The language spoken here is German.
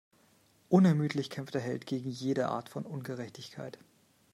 Unermüdlich kämpft der Held gegen jede Art von Ungerechtigkeit.